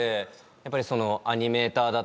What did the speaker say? やっぱり。